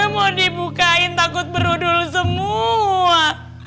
mau dibukain takut berudul semua